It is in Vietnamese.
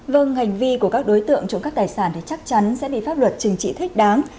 vâng hành vi của các đối tượng trộm cắp tài sản thì chắc chắn sẽ bị pháp luật trừng trị thích đáng